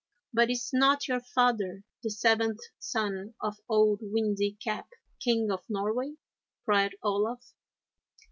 'But is not your father the seventh son of Old Windy Cap, King of Norway?' cried Olaf.